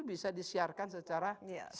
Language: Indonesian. bisa disiarkan secara simulcast